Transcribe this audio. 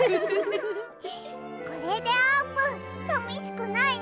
これであーぷんさみしくないね！